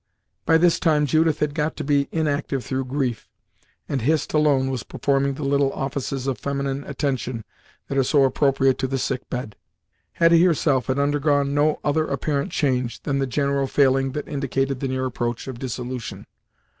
By this time Judith had got to be inactive through grief, and Hist alone was performing the little offices of feminine attention that are so appropriate to the sick bed. Hetty herself had undergone no other apparent change than the general failing that indicated the near approach of dissolution.